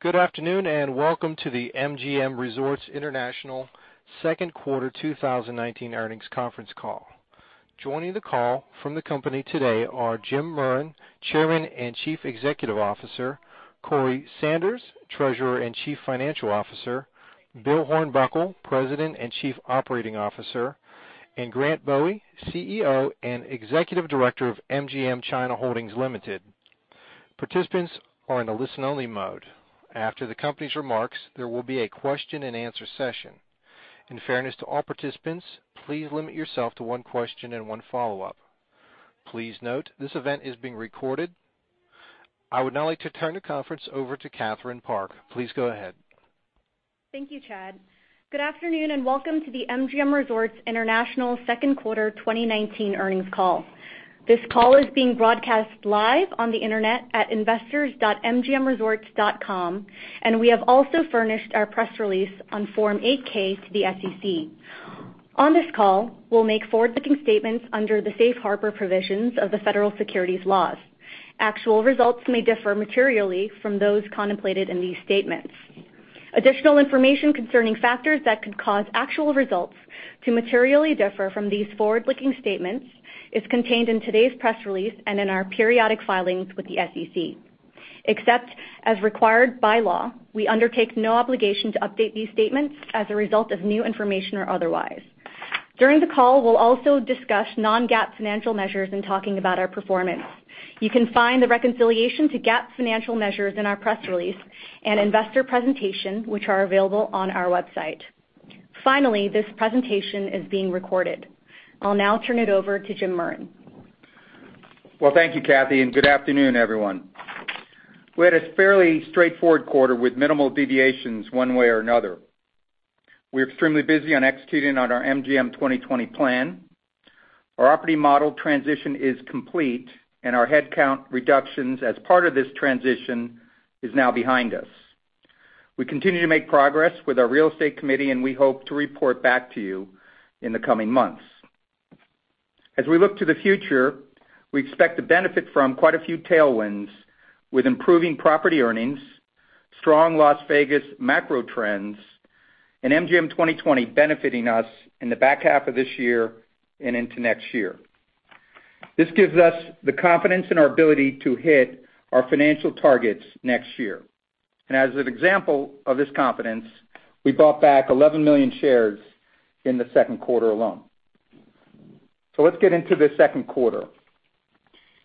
Good afternoon, and welcome to the MGM Resorts International second quarter 2019 earnings conference call. Joining the call from the company today are Jim Murren, Chairman and Chief Executive Officer, Corey Sanders, Treasurer and Chief Financial Officer, Bill Hornbuckle, President and Chief Operating Officer, and Grant Bowie, CEO and Executive Director of MGM China Holdings Limited. Participants are in a listen-only mode. After the company's remarks, there will be a question-and-answer session. In fairness to all participants, please limit yourself to one question and one follow-up. Please note, this event is being recorded. I would now like to turn the conference over to Catherine Park. Please go ahead. Thank you, Chad. Good afternoon, welcome to the MGM Resorts International second quarter 2019 earnings call. This call is being broadcast live on the internet at investors.mgmresorts.com, we have also furnished our press release on Form 8-K to the SEC. On this call, we'll make forward-looking statements under the Safe Harbor provisions of the federal securities laws. Actual results may differ materially from those contemplated in these statements. Additional information concerning factors that could cause actual results to materially differ from these forward-looking statements is contained in today's press release and in our periodic filings with the SEC. Except as required by law, we undertake no obligation to update these statements as a result of new information or otherwise. During the call, we'll also discuss non-GAAP financial measures in talking about our performance. You can find the reconciliation to GAAP financial measures in our press release and investor presentation, which are available on our website. Finally, this presentation is being recorded. I'll now turn it over to Jim Murren. Well, thank you, Cathy, and good afternoon, everyone. We had a fairly straightforward quarter with minimal deviations one way or another. We're extremely busy on executing on our MGM 2020 plan. Our operating model transition is complete, and our head count reductions as part of this transition is now behind us. We continue to make progress with our real estate committee, and we hope to report back to you in the coming months. As we look to the future, we expect to benefit from quite a few tailwinds with improving property earnings, strong Las Vegas macro trends, and MGM 2020 benefiting us in the back half of this year and into next year. This gives us the confidence in our ability to hit our financial targets next year. As an example of this confidence, we bought back 11 million shares in the second quarter alone. Let's get into the second quarter.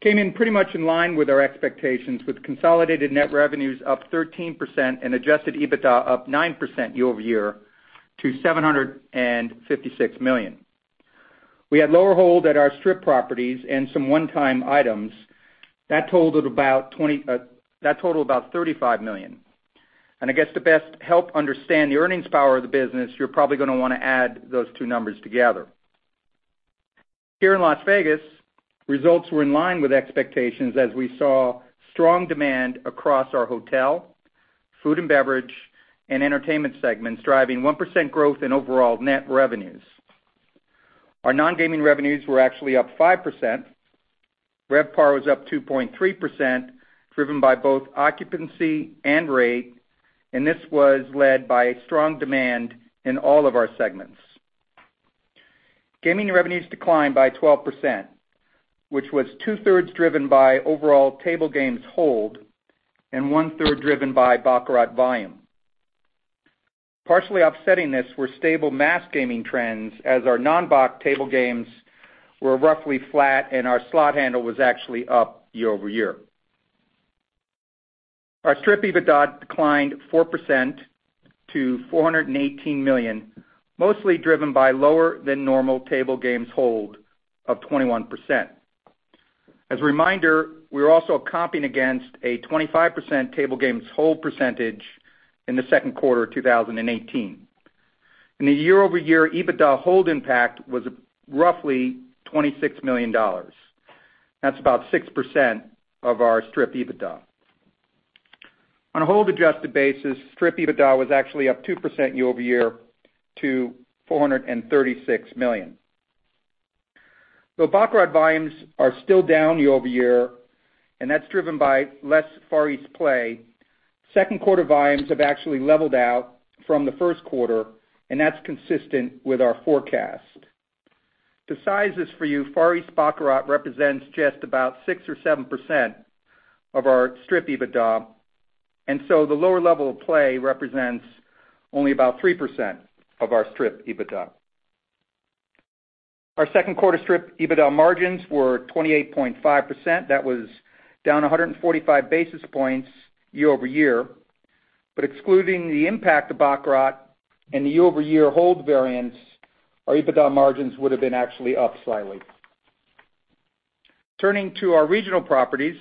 Came in pretty much in line with our expectations with consolidated net revenues up 13% and adjusted EBITDA up 9% year-over-year to $756 million. We had lower hold at our Strip properties and some one-time items. That totaled about $35 million. I guess, to best help understand the earnings power of the business, you're probably going to want to add those two numbers together. Here in Las Vegas, results were in line with expectations as we saw strong demand across our hotel, food and beverage, and entertainment segments, driving 1% growth in overall net revenues. Our non-gaming revenues were actually up 5%. RevPAR was up 2.3%, driven by both occupancy and rate, and this was led by strong demand in all of our segments. Gaming revenues declined by 12%, which was two-thirds driven by overall table games hold and one-third driven by baccarat volume. Partially offsetting this were stable mass gaming trends, as our non-bac table games were roughly flat, and our slot handle was actually up year-over-year. Our Strip EBITDA declined 4% to $418 million, mostly driven by lower than normal table games hold of 21%. As a reminder, we're also comping against a 25% table games hold percentage in the second quarter of 2018. The year-over-year EBITDA hold impact was roughly $26 million. That's about 6% of our Strip EBITDA. On a hold adjusted basis, Strip EBITDA was actually up 2% year-over-year to $436 million. Though baccarat volumes are still down year-over-year, and that's driven by less Far East play, second quarter volumes have actually leveled out from the first quarter, and that's consistent with our forecast. To size this for you, Far East baccarat represents just about 6% or 7% of our Strip EBITDA, and so the lower level of play represents only about 3% of our Strip EBITDA. Our second quarter Strip EBITDA margins were 28.5%. That was down 145 basis points year-over-year. Excluding the impact of baccarat and the year-over-year hold variance, our EBITDA margins would've been actually up slightly. Turning to our regional properties,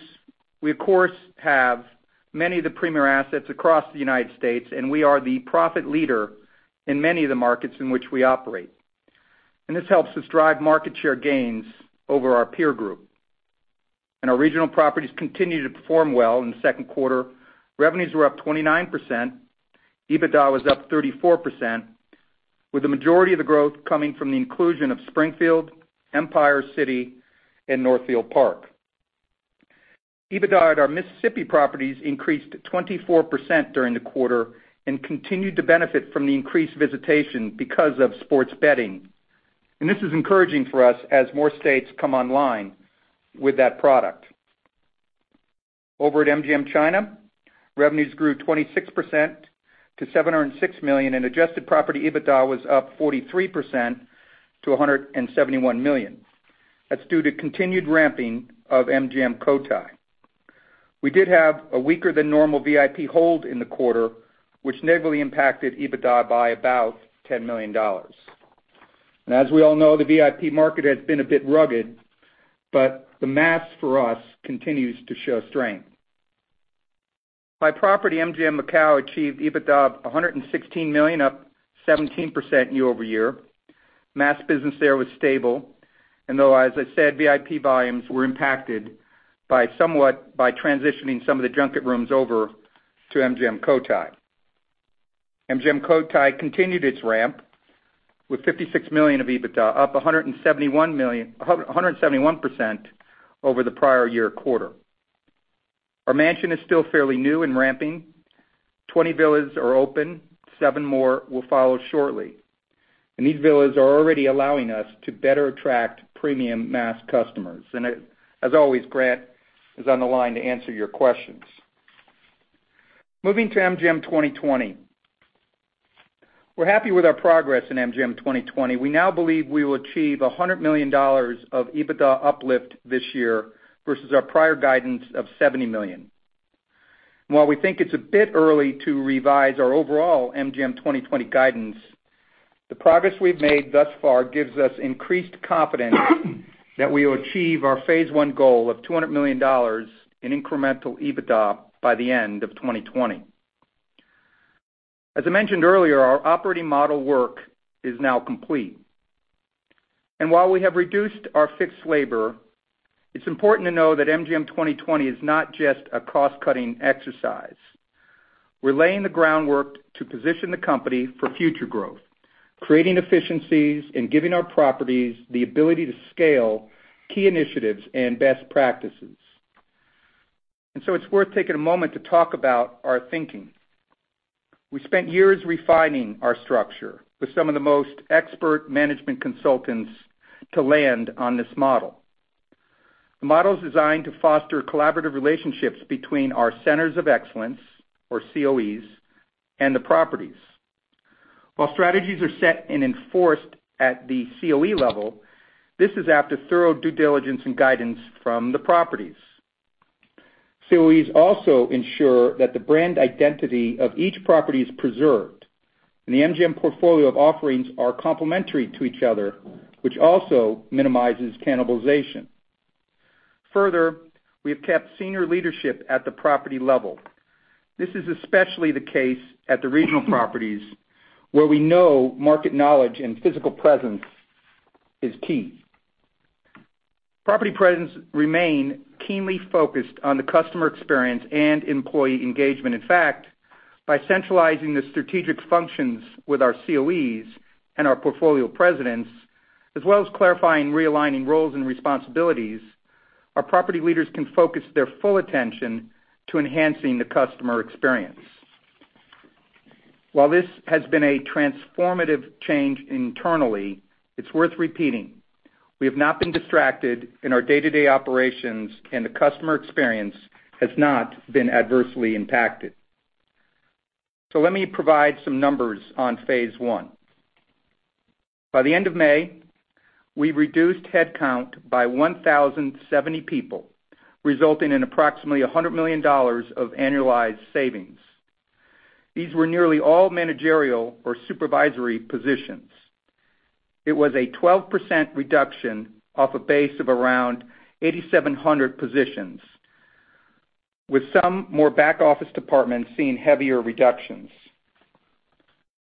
we of course have many of the premier assets across the United States, and we are the profit leader in many of the markets in which we operate. This helps us drive market share gains over our peer group. Our regional properties continued to perform well in the second quarter. Revenues were up 29%, EBITDA was up 34%, with the majority of the growth coming from the inclusion of Springfield, Empire City, and Northfield Park. EBITDA at our Mississippi properties increased 24% during the quarter and continued to benefit from the increased visitation because of sports betting. This is encouraging for us as more states come online with that product. Over at MGM China, revenues grew 26% to $706 million, and adjusted property EBITDA was up 43% to $171 million. That's due to continued ramping of MGM COTAI. We did have a weaker-than-normal VIP hold in the quarter, which negatively impacted EBITDA by about $10 million. As we all know, the VIP market has been a bit rugged, but the mass for us continues to show strength. By property, MGM MACAU achieved EBITDA of $116 million, up 17% year-over-year. Though, as I said, VIP volumes were impacted by transitioning some of the junket rooms over to MGM COTAI. MGM COTAI continued its ramp with $56 million of EBITDA, up 171% over the prior year quarter. Our Mansion is still fairly new and ramping. 20 villas are open, seven more will follow shortly. These villas are already allowing us to better attract premium mass customers. As always, Grant is on the line to answer your questions. Moving to MGM 2020. We're happy with our progress in MGM 2020. We now believe we will achieve $100 million of EBITDA uplift this year versus our prior guidance of $70 million. While we think it's a bit early to revise our overall MGM 2020 guidance, the progress we've made thus far gives us increased confidence that we will achieve our phase one goal of $200 million in incremental EBITDA by the end of 2020. As I mentioned earlier, our operating model work is now complete. While we have reduced our fixed labor, it's important to know that MGM 2020 is not just a cost-cutting exercise. We're laying the groundwork to position the company for future growth, creating efficiencies and giving our properties the ability to scale key initiatives and best practices. It's worth taking a moment to talk about our thinking. We spent years refining our structure with some of the most expert management consultants to land on this model. The model is designed to foster collaborative relationships between our Centers of Excellence, or COEs, and the properties. While strategies are set and enforced at the COE level, this is after thorough due diligence and guidance from the properties. COEs also ensure that the brand identity of each property is preserved, and the MGM portfolio of offerings are complementary to each other, which also minimizes cannibalization. Further, we have kept senior leadership at the property level. This is especially the case at the regional properties where we know market knowledge and physical presence is key. Property presidents remain keenly focused on the customer experience and employee engagement. In fact, by centralizing the strategic functions with our COEs and our portfolio presidents, as well as clarifying and realigning roles and responsibilities, our property leaders can focus their full attention to enhancing the customer experience. While this has been a transformative change internally, it's worth repeating, we have not been distracted in our day-to-day operations, and the customer experience has not been adversely impacted. Let me provide some numbers on phase one. By the end of May, we reduced headcount by 1,070 people, resulting in approximately $100 million of annualized savings. These were nearly all managerial or supervisory positions. It was a 12% reduction off a base of around 8,700 positions, with some more back-office departments seeing heavier reductions.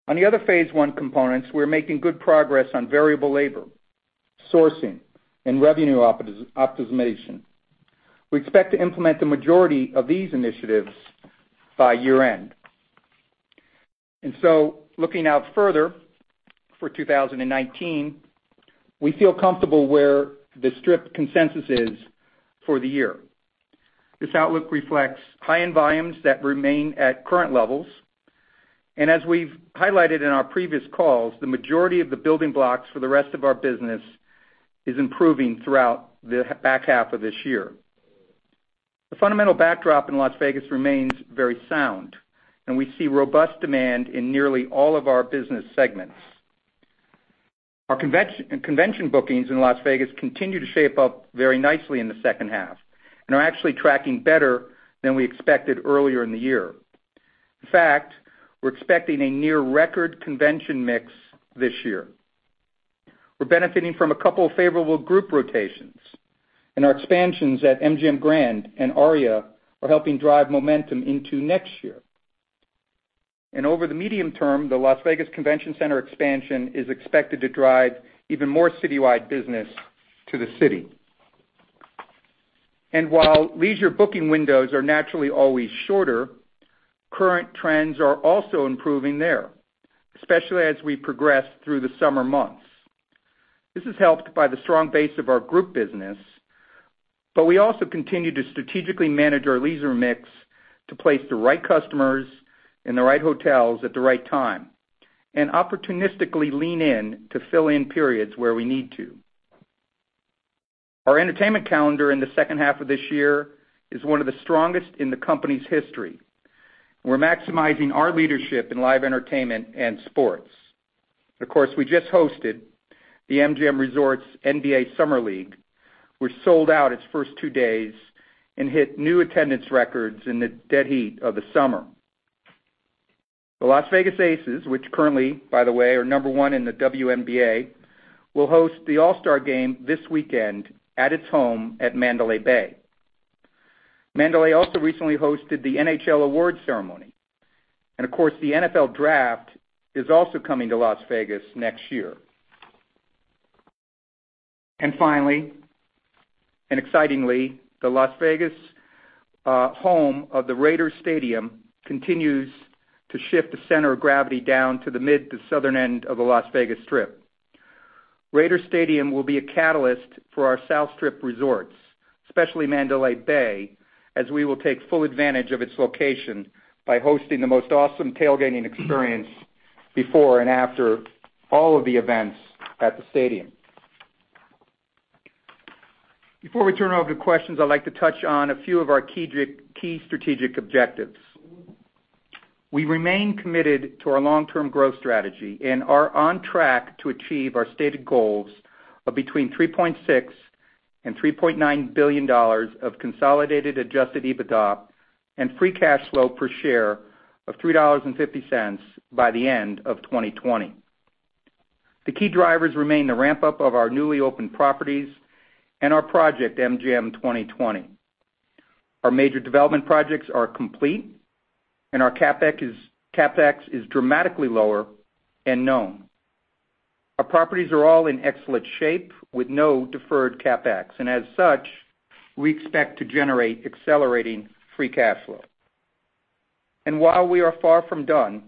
On the other phase one components, we're making good progress on variable labor, sourcing, and revenue optimization. We expect to implement the majority of these initiatives by year-end. Looking out further for 2019, we feel comfortable where the Strip consensus is for the year. This outlook reflects high-end volumes that remain at current levels. As we've highlighted in our previous calls, the majority of the building blocks for the rest of our business is improving throughout the back half of this year. The fundamental backdrop in Las Vegas remains very sound, and we see robust demand in nearly all of our business segments. Our convention bookings in Las Vegas continue to shape up very nicely in the second half and are actually tracking better than we expected earlier in the year. In fact, we're expecting a near record convention mix this year. We're benefiting from a couple of favorable group rotations, and our expansions at MGM Grand and ARIA are helping drive momentum into next year. Over the medium term, the Las Vegas Convention Center expansion is expected to drive even more citywide business to the city. While leisure booking windows are naturally always shorter, current trends are also improving there, especially as we progress through the summer months. This is helped by the strong base of our group business, but we also continue to strategically manage our leisure mix to place the right customers in the right hotels at the right time, and opportunistically lean in to fill in periods where we need to. Our entertainment calendar in the second half of this year is one of the strongest in the company's history. We're maximizing our leadership in live entertainment and sports. Of course, we just hosted the MGM Resorts NBA Summer League, which sold out its first two days and hit new attendance records in the dead heat of the summer. The Las Vegas Aces, which currently, by the way, are number one in the WNBA, will host the All-Star Game this weekend at its home at Mandalay Bay. Of course, the NFL Draft is also coming to Las Vegas next year. Finally, and excitingly, the Las Vegas home of the Raiders stadium continues to shift the center of gravity down to the mid to southern end of the Las Vegas Strip. Raiders stadium will be a catalyst for our South Strip resorts, especially Mandalay Bay, as we will take full advantage of its location by hosting the most awesome tailgating experience before and after all of the events at the stadium. Before we turn over to questions, I'd like to touch on a few of our key strategic objectives. We remain committed to our long-term growth strategy and are on track to achieve our stated goals of between $3.6 and $3.9 billion of consolidated adjusted EBITDA and free cash flow per share of $3.50 by the end of 2020. The key drivers remain the ramp-up of our newly opened properties and our project MGM 2020. Our major development projects are complete and our CapEx is dramatically lower and known. Our properties are all in excellent shape with no deferred CapEx, and as such, we expect to generate accelerating free cash flow. While we are far from done,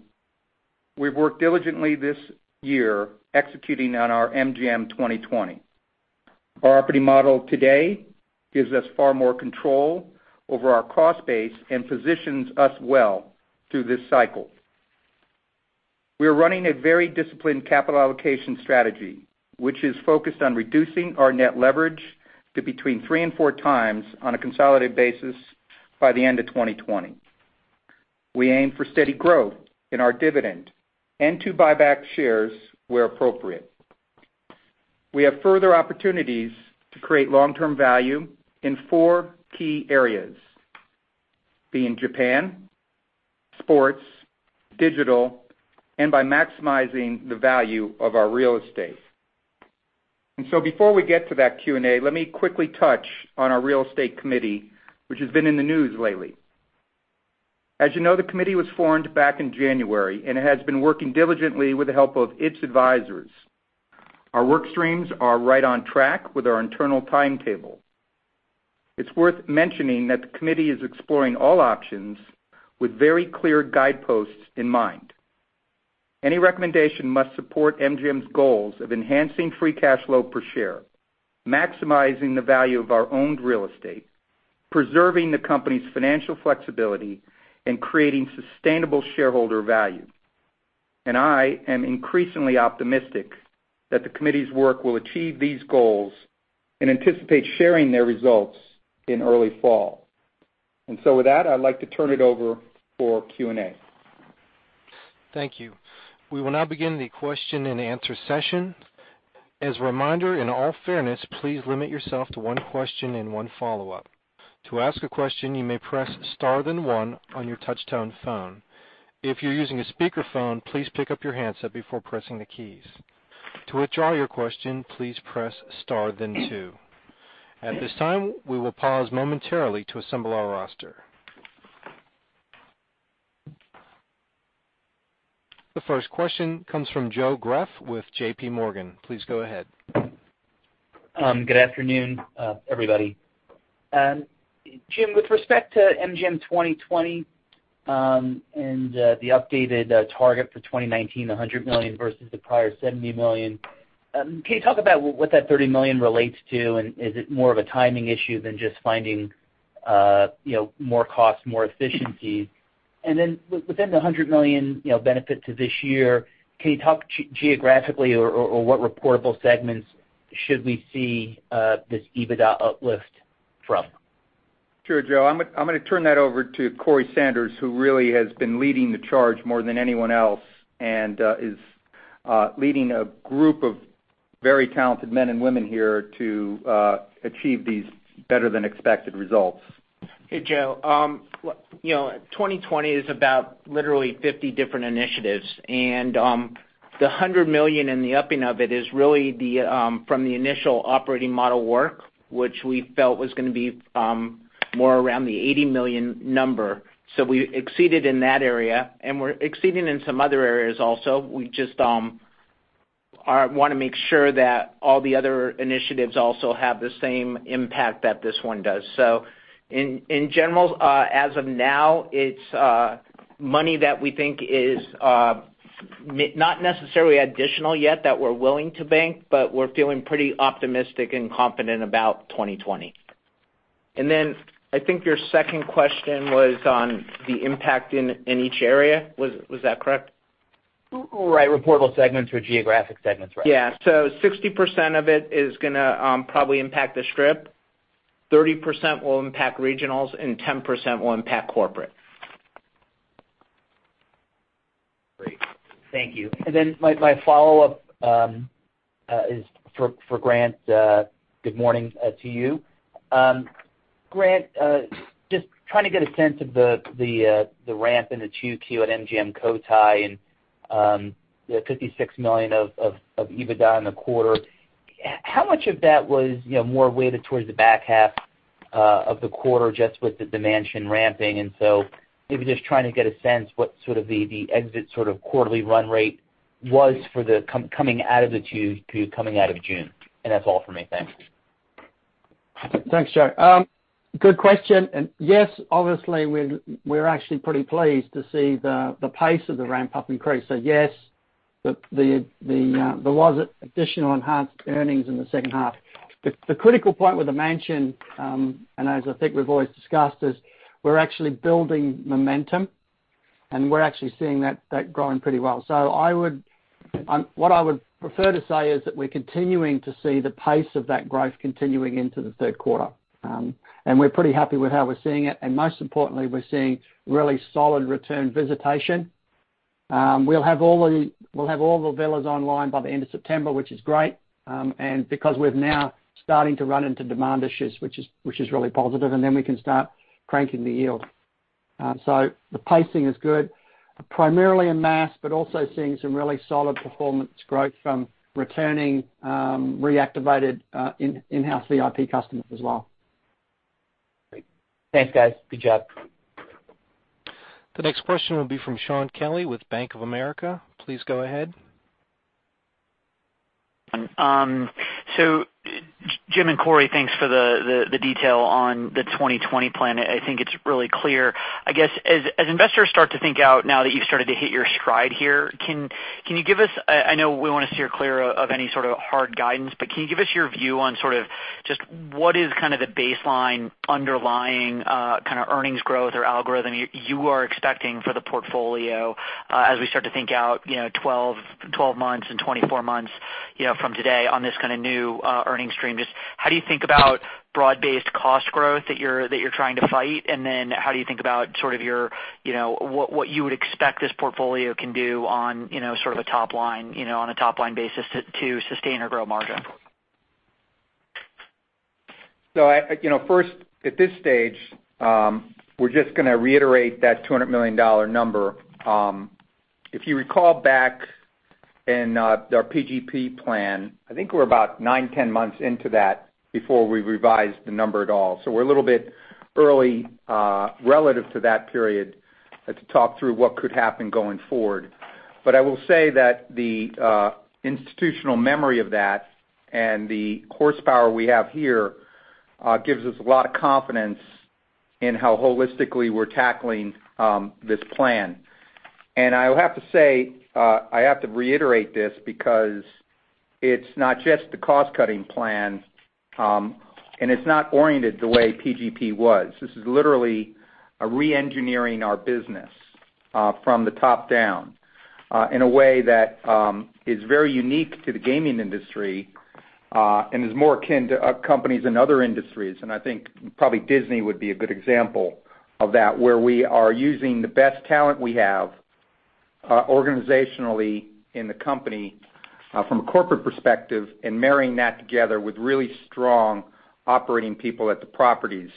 we've worked diligently this year executing on our MGM 2020. Our operating model today gives us far more control over our cost base and positions us well through this cycle. We are running a very disciplined capital allocation strategy, which is focused on reducing our net leverage to between three and four times on a consolidated basis by the end of 2020. We aim for steady growth in our dividend and to buy back shares where appropriate. We have further opportunities to create long-term value in four key areas, being Japan, sports, digital, and by maximizing the value of our real estate. Before we get to that Q&A, let me quickly touch on our real estate committee, which has been in the news lately. As you know, the committee was formed back in January, and it has been working diligently with the help of its advisors. Our work streams are right on track with our internal timetable. It's worth mentioning that the committee is exploring all options with very clear guideposts in mind. Any recommendation must support MGM's goals of enhancing free cash flow per share, maximizing the value of our owned real estate, preserving the company's financial flexibility, and creating sustainable shareholder value. I am increasingly optimistic that the committee's work will achieve these goals and anticipate sharing their results in early fall. With that, I'd like to turn it over for Q&A. Thank you. We will now begin the question-and-answer session. As a reminder, in all fairness, please limit yourself to one question and one follow-up. To ask a question, you may press star, then one on your touch-tone phone. If you're using a speakerphone, please pick up your handset before pressing the keys. To withdraw your question, please press star, then two. At this time, we will pause momentarily to assemble our roster. The first question comes from Joe Greff with J.P. Morgan. Please go ahead. Good afternoon, everybody. Jim, with respect to MGM 2020, and the updated target for 2019, $100 million versus the prior $70 million, can you talk about what that $30 million relates to? Is it more of a timing issue than just finding more cost, more efficiencies? Within the $100 million benefit to this year, can you talk geographically or what reportable segments should we see this EBITDA uplift from? Sure, Joe. I'm going to turn that over to Corey Sanders, who really has been leading the charge more than anyone else and is leading a group of very talented men and women here to achieve these better-than-expected results. Hey, Joe. 2020 is about literally 50 different initiatives. The $100 million and the upping of it is really from the initial operating model work, which we felt was going to be more around the $80 million number. We exceeded in that area, and we're exceeding in some other areas also. We just want to make sure that all the other initiatives also have the same impact that this one does. In general, as of now, it's money that we think is not necessarily additional yet that we're willing to bank, but we're feeling pretty optimistic and confident about 2020. I think your second question was on the impact in each area. Was that correct? Right. Reportable segments or geographic segments, right. Yeah. 60% of it is going to probably impact the Strip, 30% will impact regionals, and 10% will impact corporate. Great. Thank you. My follow-up is for Grant. Good morning to you. Grant, just trying to get a sense of the ramp in the 2Q at MGM COTAI, and you had $56 million of EBITDA in the quarter. How much of that was more weighted towards the back half of the quarter, just with The Mansion ramping? Maybe just trying to get a sense what sort of the exit sort of quarterly run rate was coming out of the 2Q, coming out of June? That's all for me. Thanks. Thanks, Joe. Good question. Yes, obviously, we're actually pretty pleased to see the pace of the ramp-up increase. Yes, there was additional enhanced earnings in the second half. The critical point with The Mansion, and as I think we've always discussed, is we're actually building momentum, and we're actually seeing that growing pretty well. What I would prefer to say is that we're continuing to see the pace of that growth continuing into the third quarter. We're pretty happy with how we're seeing it. Most importantly, we're seeing really solid return visitation. We'll have all the villas online by the end of September, which is great, and because we're now starting to run into demand issues, which is really positive, and then we can start cranking the yield. The pacing is good, primarily in mass, but also seeing some really solid performance growth from returning reactivated in-house VIP customers as well. Great. Thanks, guys. Good job. The next question will be from Shaun Kelley with Bank of America. Please go ahead. Jim and Corey, thanks for the detail on the MGM 2020 plan. I think it's really clear. I guess, as investors start to think out now that you've started to hit your stride here, can you give us-- I know we want to steer clear of any sort of hard guidance, but can you give us your view on sort of just what is kind of the baseline underlying kind of earnings growth or algorithm you are expecting for the portfolio as we start to think out 12 months and 24 months from today on this kind of new earnings stream? Just how do you think about broad-based cost growth that you're trying to fight? And then how do you think about what you would expect this portfolio can do on a top-line basis to sustain or grow margin? First, at this stage, we're just going to reiterate that $200 million number. If you recall back in our PGP plan, I think we're about nine, 10 months into that before we revise the number at all. We're a little bit early relative to that period to talk through what could happen going forward. I will say that the institutional memory of that and the horsepower we have here gives us a lot of confidence in how holistically we're tackling this plan. I have to say, I have to reiterate this because it's not just the cost-cutting plan, and it's not oriented the way PGP was. This is literally a re-engineering our business from the top down in a way that is very unique to the gaming industry and is more akin to companies in other industries. I think probably Disney would be a good example of that, where we are using the best talent we have organizationally in the company from a corporate perspective and marrying that together with really strong operating people at the properties.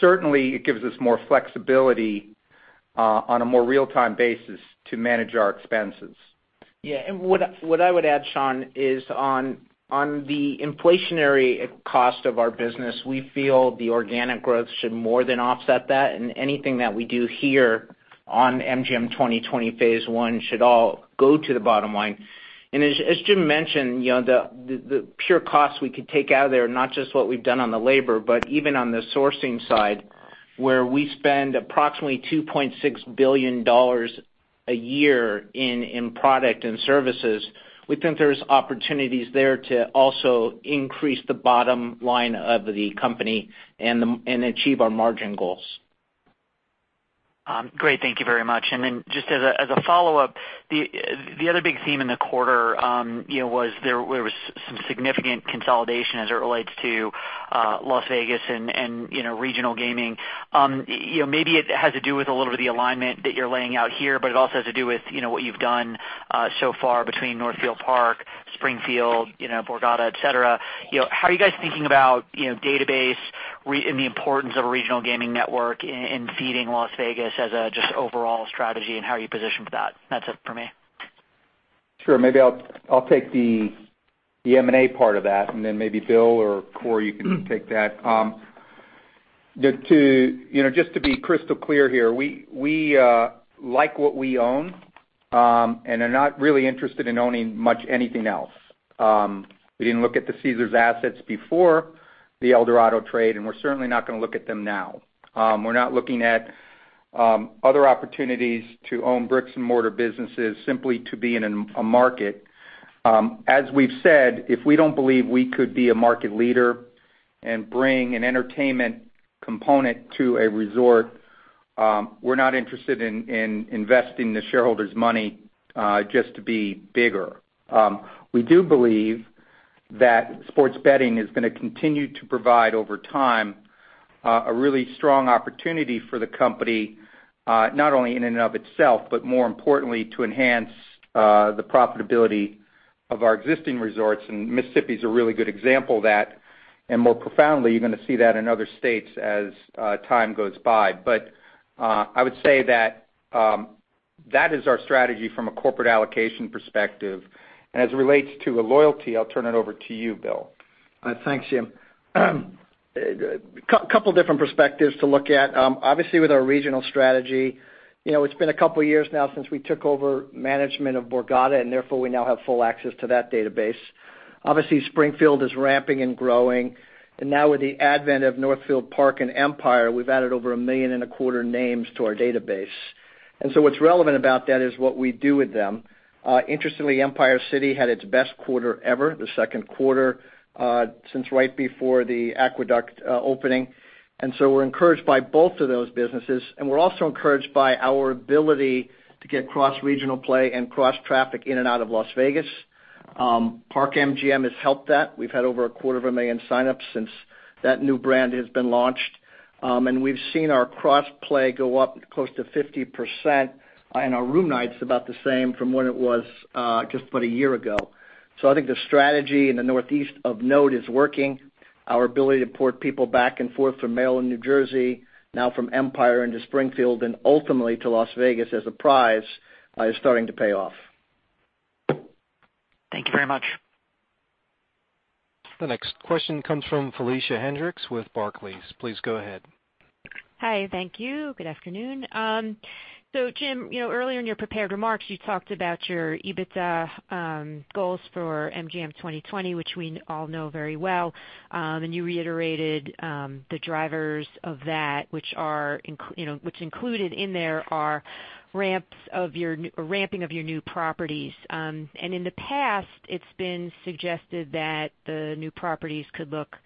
Certainly, it gives us more flexibility on a more real-time basis to manage our expenses. What I would add, Shaun, is on the inflationary cost of our business, we feel the organic growth should more than offset that. Anything that we do here on MGM 2020 phase one should all go to the bottom line. As Jim mentioned, the pure costs we could take out of there, not just what we've done on the labor, but even on the sourcing side, where we spend approximately $2.6 billion a year in product and services. We think there's opportunities there to also increase the bottom line of the company and achieve our margin goals. Great. Thank you very much. Then just as a follow-up, the other big theme in the quarter was there was some significant consolidation as it relates to Las Vegas and regional gaming. Maybe it has to do with a little bit of the alignment that you're laying out here, but it also has to do with what you've done so far between Northfield Park, Springfield, Borgata, et cetera. How are you guys thinking about database in the importance of a regional gaming network in feeding Las Vegas as a just overall strategy and how are you positioned for that? That's it for me. Sure. Maybe I'll take the M&A part of that. Then maybe Bill or Corey, you can take that. Just to be crystal clear here, we like what we own. Are not really interested in owning much anything else. We didn't look at the Caesars assets before the Eldorado Resorts trade. We're certainly not going to look at them now. We're not looking at other opportunities to own bricks and mortar businesses simply to be in a market. As we've said, if we don't believe we could be a market leader and bring an entertainment component to a resort, we're not interested in investing the shareholders' money, just to be bigger. We do believe that sports betting is going to continue to provide, over time, a really strong opportunity for the company, not only in and of itself, but more importantly, to enhance the profitability of our existing resorts, and Mississippi's a really good example of that. More profoundly, you're going to see that in other states as time goes by. I would say that is our strategy from a corporate allocation perspective. As it relates to loyalty, I'll turn it over to you, Bill. Thanks, Jim. Couple different perspectives to look at. Obviously with our regional strategy, it's been a couple years now since we took over management of Borgata, therefore, we now have full access to that database. Obviously, Springfield is ramping and growing. Now with the advent of Northfield Park and Empire, we've added over a million and a quarter names to our database. What's relevant about that is what we do with them. Interestingly, Empire City had its best quarter ever, the second quarter, since right before the Aqueduct opening. We're encouraged by both of those businesses. We're also encouraged by our ability to get cross-regional play and cross-traffic in and out of Las Vegas. Park MGM has helped that. We've had over a quarter of a million sign-ups since that new brand has been launched. We've seen our cross play go up close to 50%, and our room nights about the same from what it was just but a year ago. I think the strategy in the northeast of N.Y. is working. Our ability to port people back and forth from Maryland, New Jersey, now from Empire into Springfield, and ultimately to Las Vegas as a prize, is starting to pay off. Thank you very much. The next question comes from Felicia Hendrix with Barclays. Please go ahead. Hi. Thank you. Good afternoon. Jim, earlier in your prepared remarks, you talked about your EBITDA goals for MGM 2020, which we all know very well. You reiterated the drivers of that, which included in there are ramping of your new properties. In the past, it's been suggested that the new properties could look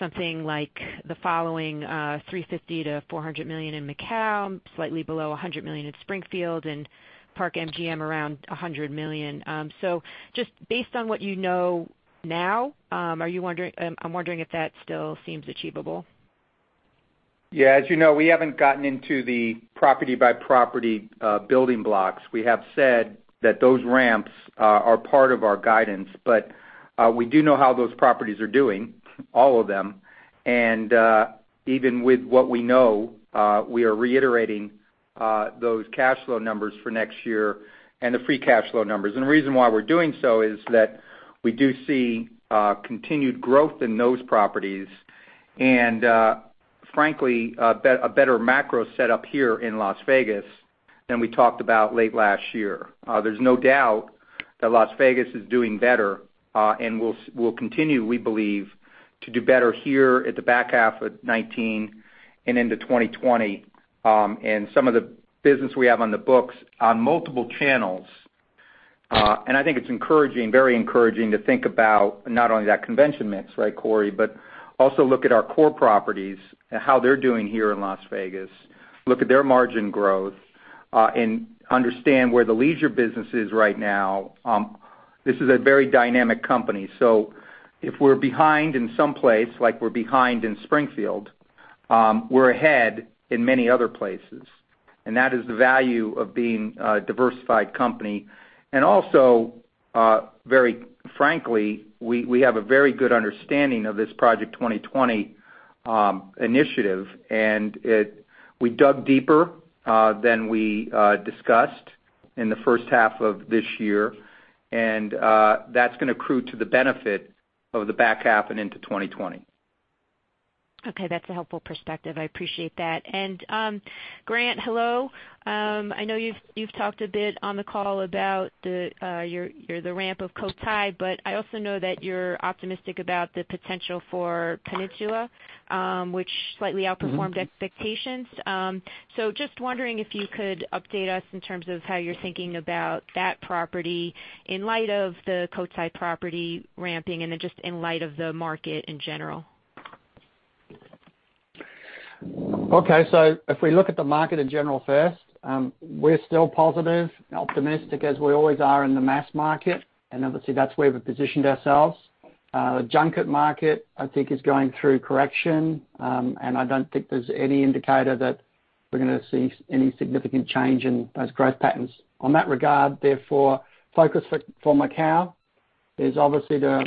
something like the following, $350 million-$400 million in Macau, slightly below $100 million in Springfield, and Park MGM around $100 million. Just based on what you know now, I'm wondering if that still seems achievable. Yeah, as you know, we haven't gotten into the property by property building blocks. We have said that those ramps are part of our guidance, but we do know how those properties are doing, all of them. Even with what we know, we are reiterating those cash flow numbers for next year and the free cash flow numbers. The reason why we're doing so is that we do see continued growth in those properties, and, frankly, a better macro set up here in Las Vegas than we talked about late last year. There's no doubt that Las Vegas is doing better, and will continue, we believe, to do better here at the back half of 2019 and into 2020. Some of the business we have on the books on multiple channels. I think it's encouraging, very encouraging to think about not only that convention mix, right, Corey, but also look at our core properties and how they're doing here in Las Vegas, look at their margin growth, and understand where the leisure business is right now. This is a very dynamic company. If we're behind in some place, like we're behind in Springfield, we're ahead in many other places. That is the value of being a diversified company. Also, very frankly, we have a very good understanding of this Project 2020 initiative, and we dug deeper than we discussed in the first half of this year. That's going to accrue to the benefit of the back half and into 2020. Okay. That's a helpful perspective. I appreciate that. Grant, hello. I know you've talked a bit on the call about the ramp of Cotai, I also know that you're optimistic about the potential for Peninsula, which slightly outperformed expectations. Just wondering if you could update us in terms of how you're thinking about that property in light of the Cotai property ramping and just in light of the market in general. Okay. If we look at the market in general first, we're still positive, optimistic as we always are in the mass market. Obviously, that's where we've positioned ourselves. Junket market, I think, is going through correction. I don't think there's any indicator that we're going to see any significant change in those growth patterns. On that regard, therefore, focus for Macau is obviously to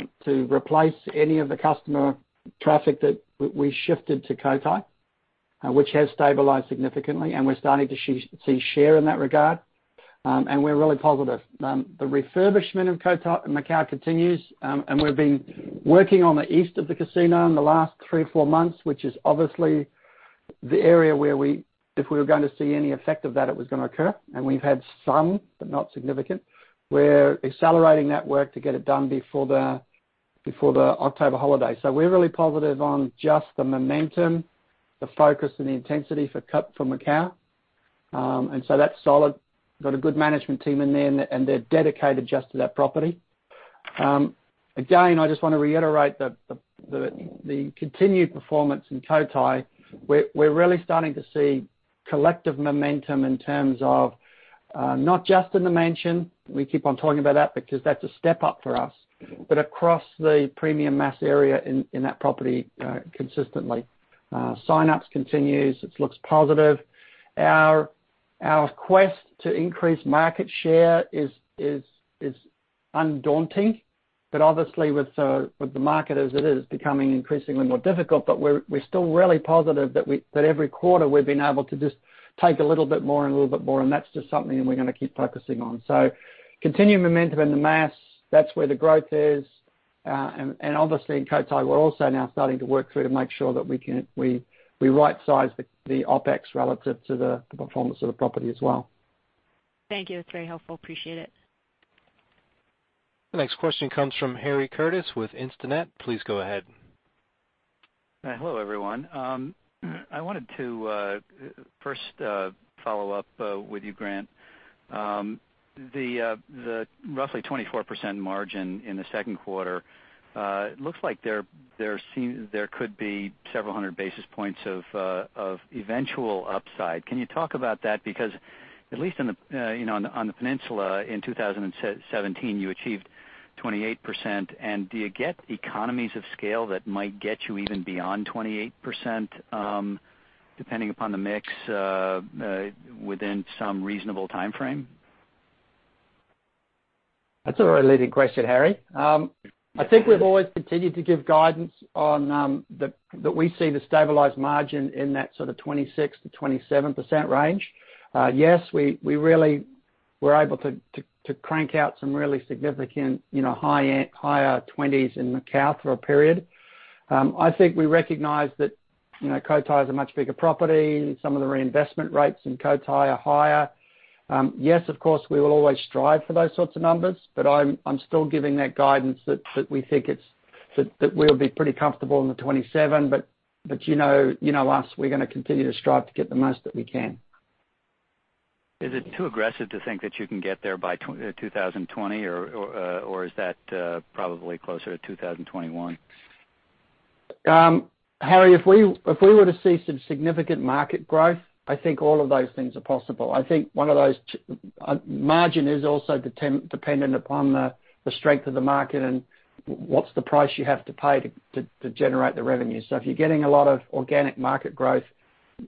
replace any of the customer traffic that we shifted to Cotai, which has stabilized significantly, and we're starting to see share in that regard. We're really positive. The refurbishment of Cotai in Macau continues, and we've been working on the east of the casino in the last three or four months, which is obviously the area where, if we were going to see any effect of that, it was going to occur. We've had some, but not significant. We're accelerating that work to get it done before the October holiday. We're really positive on just the momentum, the focus and the intensity for Cotai, from Macau. That's solid. Got a good management team in there, and they're dedicated just to that property. Again, I just want to reiterate the continued performance in Cotai. We're really starting to see collective momentum in terms of not just in The Mansion, we keep on talking about that because that's a step up for us, but across the premium mass area in that property, consistently. Sign-ups continues. It looks positive. Our quest to increase market share is undaunting, obviously, with the market as it is, becoming increasingly more difficult. We're still really positive that every quarter we've been able to just take a little bit more and a little bit more, and that's just something that we're going to keep focusing on. Continuing momentum in the mass, that's where the growth is. Obviously in Cotai, we're also now starting to work through to make sure that we right-size the OpEx relative to the performance of the property as well. Thank you. That's very helpful. Appreciate it. The next question comes from Harry Curtis with Instinet. Please go ahead. Hello, everyone. I wanted to first follow up with you, Grant. The roughly 24% margin in the second quarter, looks like there could be several hundred basis points of eventual upside. Can you talk about that? Because at least on the Peninsula in 2017, you achieved 28%. Do you get economies of scale that might get you even beyond 28%, depending upon the mix, within some reasonable timeframe? That's a related question, Harry. I think we've always continued to give guidance on that we see the stabilized margin in that sort of 26%-27% range. Yes, we really were able to crank out some really significant higher 20s in Macau for a period. I think we recognize that Cotai is a much bigger property. Some of the reinvestment rates in Cotai are higher. Yes, of course, we will always strive for those sorts of numbers. I'm still giving that guidance that we think that we'll be pretty comfortable in the 27%. You know us, we're going to continue to strive to get the most that we can. Is it too aggressive to think that you can get there by 2020? Is that probably closer to 2021? Harry, if we were to see some significant market growth, I think all of those things are possible. I think margin is also dependent upon the strength of the market and what's the price you have to pay to generate the revenue. If you're getting a lot of organic market growth,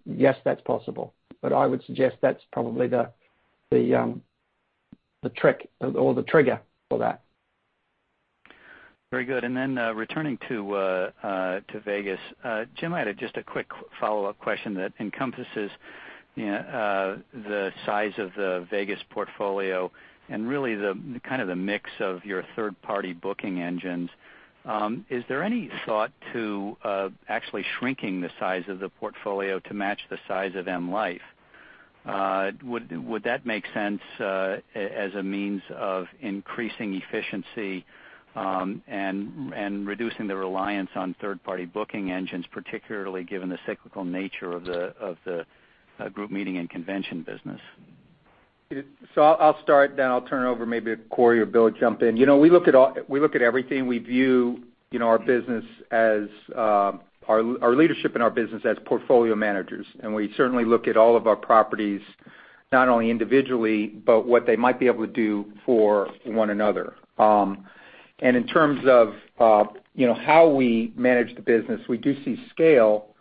yes, that's possible. I would suggest that's probably the trick or the trigger for that. Very good. Returning to Vegas. Jim, I had just a quick follow-up question that encompasses the size of the Vegas portfolio and really the mix of your third-party booking engines. Is there any thought to actually shrinking the size of the portfolio to match the size of M life? Would that make sense, as a means of increasing efficiency, and reducing the reliance on third-party booking engines, particularly given the cyclical nature of the group meeting and convention business? I'll start, then I'll turn it over, maybe if Corey or Bill jump in. We look at everything. We view our leadership in our business as portfolio managers, and we certainly look at all of our properties, not only individually, but what they might be able to do for one another. In terms of how we manage the business, we do see scale,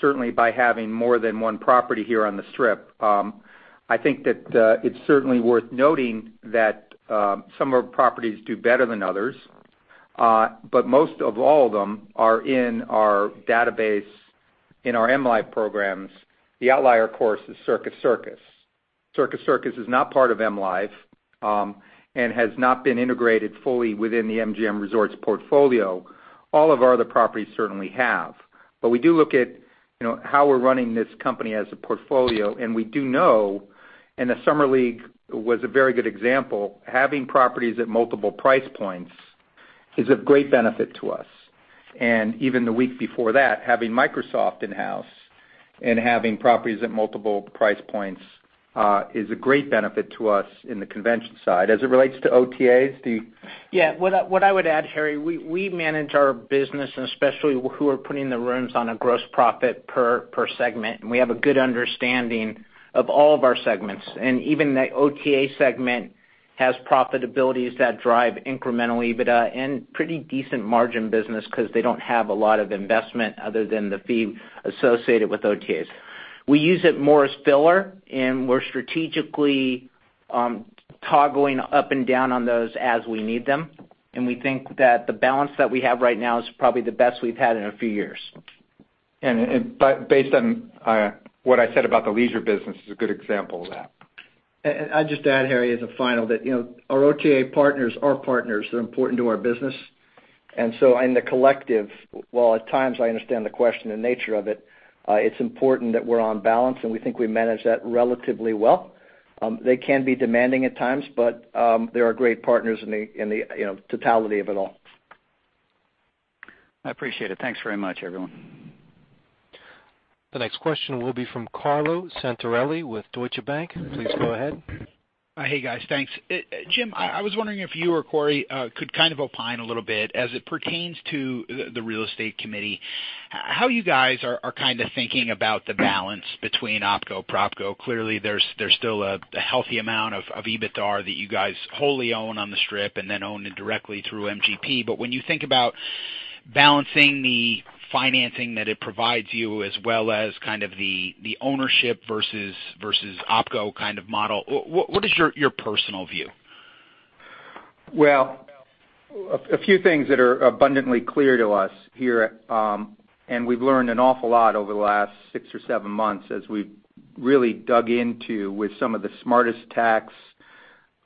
certainly by having more than one property here on the Strip. I think that it's certainly worth noting that some of our properties do better than others. Most of all of them are in our database, in our Mlife programs. The outlier, of course, is Circus Circus. Circus Circus is not part of Mlife, and has not been integrated fully within the MGM Resorts portfolio. All of our other properties certainly have. We do look at how we're running this company as a portfolio, and we do know, and the Summer League was a very good example, having properties at multiple price points is of great benefit to us. Even the week before that, having Microsoft in-house and having properties at multiple price points, is a great benefit to us in the convention side, as it relates to OTAs. What I would add, Harry, we manage our business, especially who are putting the rooms on a gross profit per segment. We have a good understanding of all of our segments. Even the OTA segment has profitabilities that drive incremental EBITDA and pretty decent margin business because they don't have a lot of investment other than the fee associated with OTAs. We use it more as filler. We're strategically toggling up and down on those as we need them. We think that the balance that we have right now is probably the best we've had in a few years. Based on what I said about the leisure business is a good example of that. I'd just add, Harry, as a final, that our OTA partners are partners. They're important to our business. In the collective, while at times I understand the question and nature of it's important that we're on balance, and we think we manage that relatively well. They can be demanding at times, but they are great partners in the totality of it all. I appreciate it. Thanks very much, everyone. The next question will be from Carlo Santarelli with Deutsche Bank. Please go ahead. Hey, guys. Thanks. Jim, I was wondering if you or Corey could opine a little bit as it pertains to the real estate committee, how you guys are thinking about the balance between OpCo, PropCo. Clearly, there's still a healthy amount of EBITDAR that you guys wholly own on the Strip and then own it directly through MGP. When you think about balancing the financing that it provides you, as well as the ownership versus OpCo kind of model, what is your personal view? Well, a few things that are abundantly clear to us here, and we've learned an awful lot over the last six or seven months as we've really dug into with some of the smartest tax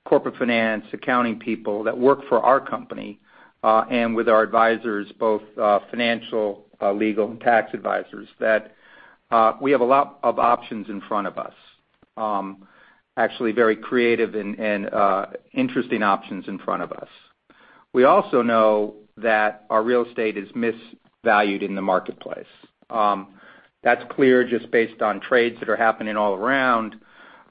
corporate finance accounting people that work for our company, and with our advisors, both financial, legal, and tax advisors, that we have a lot of options in front of us. Actually, very creative and interesting options in front of us. We also know that our real estate is misvalued in the marketplace. That's clear just based on trades that are happening all around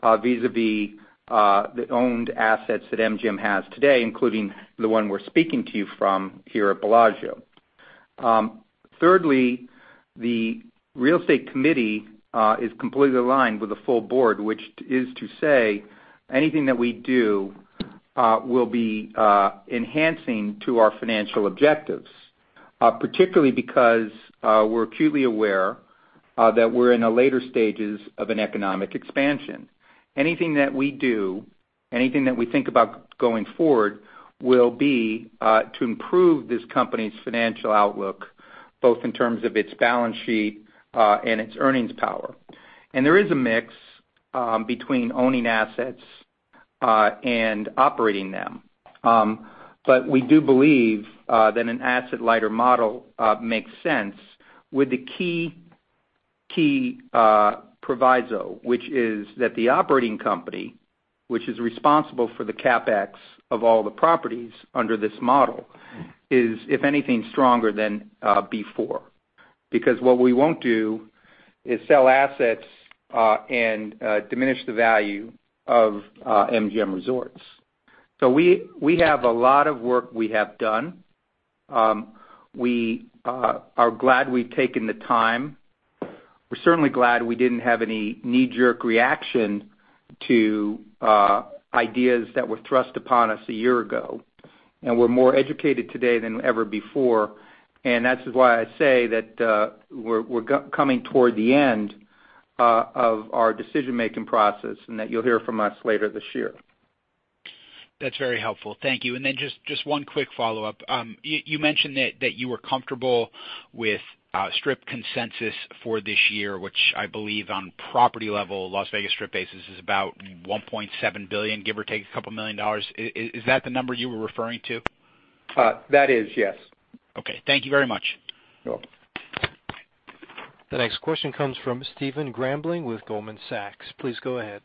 vis-à-vis the owned assets that MGM has today, including the one we're speaking to you from here at Bellagio. The real estate committee is completely aligned with the full board, which is to say anything that we do will be enhancing to our financial objectives, particularly because we're acutely aware that we're in the later stages of an economic expansion. Anything that we do, anything that we think about going forward, will be to improve this company's financial outlook, both in terms of its balance sheet and its earnings power. There is a mix between owning assets and operating them. We do believe that an asset lighter model makes sense with the key proviso, which is that the operating company, which is responsible for the CapEx of all the properties under this model is, if anything, stronger than before. What we won't do is sell assets and diminish the value of MGM Resorts. We have a lot of work we have done. We are glad we've taken the time. We're certainly glad we didn't have any knee-jerk reaction to ideas that were thrust upon us a year ago, and we're more educated today than ever before, and that's why I say that we're coming toward the end of our decision-making process, and that you'll hear from us later this year. That's very helpful. Thank you. Just one quick follow-up. You mentioned that you were comfortable with Strip consensus for this year, which I believe on property level, Las Vegas Strip basis is about $1.7 billion, give or take a couple million dollars. Is that the number you were referring to? That is, yes. Okay. Thank you very much. You're welcome. The next question comes from Stephen Grambling with Goldman Sachs. Please go ahead.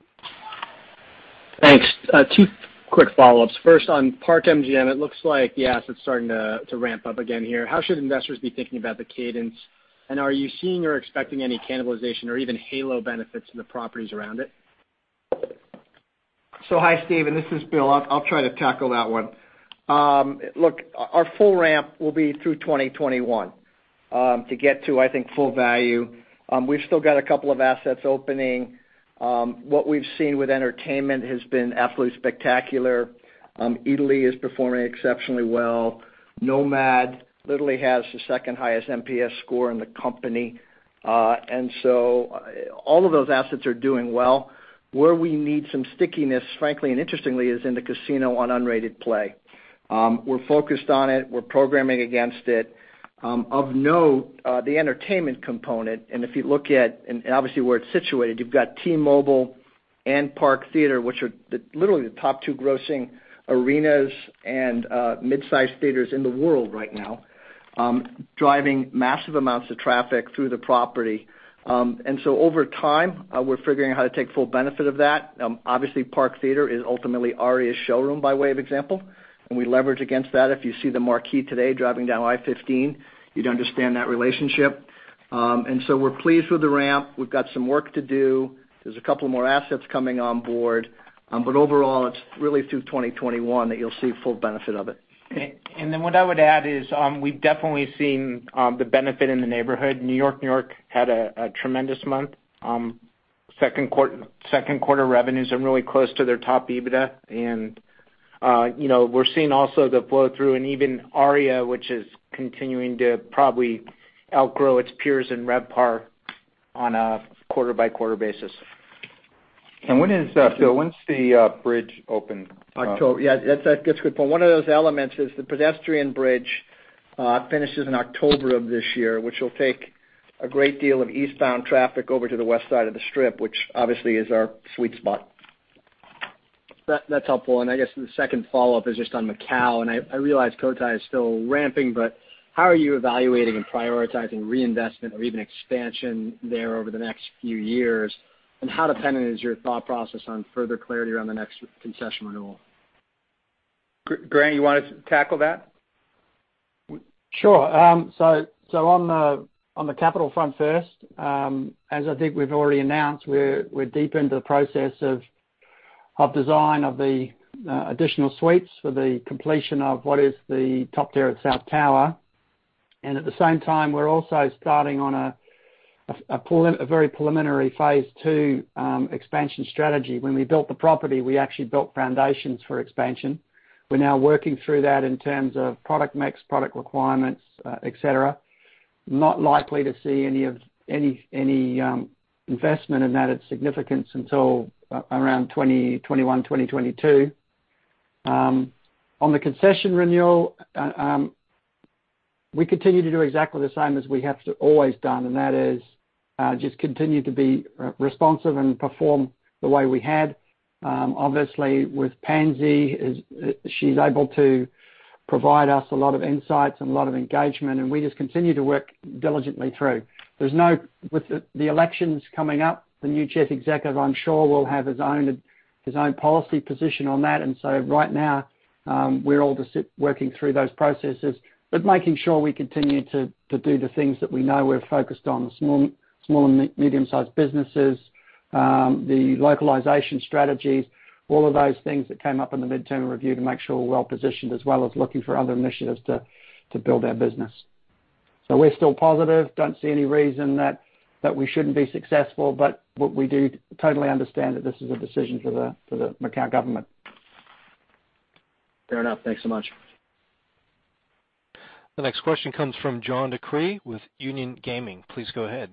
Thanks. Two quick follow-ups. First on Park MGM, it looks like the asset's starting to ramp up again here. How should investors be thinking about the cadence? Are you seeing or expecting any cannibalization or even halo benefits to the properties around it? Hi, Stephen. This is Bill. I'll try to tackle that one. Look, our full ramp will be through 2021 to get to, I think, full value. We've still got a couple of assets opening. What we've seen with entertainment has been absolutely spectacular. Eataly is performing exceptionally well. NoMad literally has the second highest NPS score in the company. All of those assets are doing well. Where we need some stickiness, frankly and interestingly, is in the casino on unrated play. We're focused on it. We're programming against it. Of note, the entertainment component, and if you look at, and obviously where it's situated, you've got T-Mobile and Park Theater, which are literally the top two grossing arenas and mid-size theaters in the world right now, driving massive amounts of traffic through the property. Over time, we're figuring how to take full benefit of that. Obviously, Park Theater is ultimately ARIA's showroom by way of example, and we leverage against that. If you see the marquee today driving down I-15, you'd understand that relationship. We're pleased with the ramp. We've got some work to do. There's a couple more assets coming on board. Overall, it's really through 2021 that you'll see full benefit of it. What I would add is, we've definitely seen the benefit in the neighborhood. New York-New York had a tremendous month. Second quarter revenues are really close to their top EBITDA. We're seeing also the flow-through and even ARIA, which is continuing to probably outgrow its peers in RevPAR on a quarter-by-quarter basis. Bill, when does the bridge open? October. Yeah, that's a good point. One of those elements is the pedestrian bridge finishes in October of this year, which will take a great deal of eastbound traffic over to the west side of the Strip, which obviously is our sweet spot. That's helpful. I guess the second follow-up is just on Macau, and I realize Cotai is still ramping, but how are you evaluating and prioritizing reinvestment or even expansion there over the next few years? How dependent is your thought process on further clarity around the next concession renewal? Grant, you want to tackle that? Sure. On the capital front first, as I think we've already announced, we're deep into the process of design of the additional suites for the completion of what is the top tier at South Tower. At the same time, we're also starting on a very preliminary phase two expansion strategy. When we built the property, we actually built foundations for expansion. We're now working through that in terms of product mix, product requirements, et cetera. Not likely to see any investment of that significance until around 2021, 2022. On the concession renewal, we continue to do exactly the same as we have always done, and that is just continue to be responsive and perform the way we had. Obviously, with Pansy, she's able to provide us a lot of insights and a lot of engagement, and we just continue to work diligently through. With the elections coming up, the new chief executive, I'm sure, will have his own policy position on that. Right now, we're all just working through those processes, but making sure we continue to do the things that we know we're focused on, small and medium-sized businesses, the localization strategies, all of those things that came up in the mid-term review to make sure we're well-positioned, as well as looking for other initiatives to build our business. We're still positive. Don't see any reason that we shouldn't be successful, but what we do totally understand that this is a decision for the Macau government. Fair enough. Thanks so much. The next question comes from John DeCree with Union Gaming. Please go ahead.